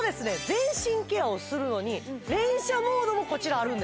全身ケアをするのに連射モードもこちらあるんです